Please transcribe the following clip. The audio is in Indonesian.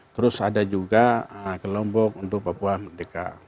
terus ada juga kelompok untuk papua merdeka